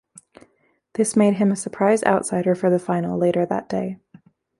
This made him a surprise outsider for the final, later that day.